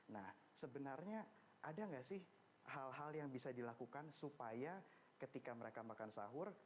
nah sebenarnya ada nggak sih hal hal yang bisa dilakukan supaya ketika mereka makan sahur